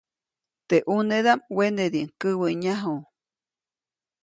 Teʼ ʼunedaʼm wenediʼuŋ käwäʼnyaju.